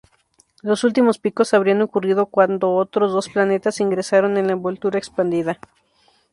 Los últimos picos habrían ocurrido cuando otros dos planetas ingresaron en la envoltura expandida.